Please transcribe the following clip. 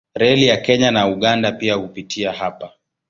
Reli ya Kenya na Uganda pia hupitia hapa.